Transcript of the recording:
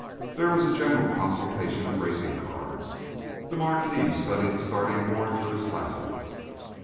There was a general consultation of racing cards. The Marquis studied the starting board through his glasses.